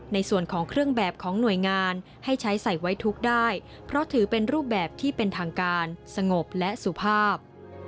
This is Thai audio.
ในส่วนของเครื่องแบบของหน่วยงานให้ใช้ใส่ไว้ทุกข์ได้เพราะถือเป็นรูปแบบที่เป็นทางการสงบและสุภาพ